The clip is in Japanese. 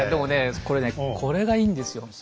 これねこれがいいんですよ。